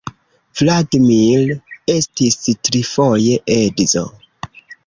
Vladimir estis trifoje edzo.